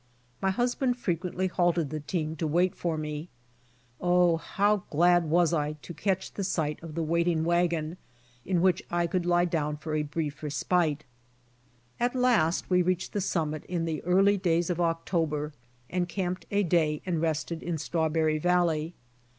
My husband frequently halted the team to wait for me. Oh how glad was I to catch a sight of the waiting wagon in which I could lie down for a brief respite. At last we reached the summit in the early days of October and camped a day and rested in Strawberry valley.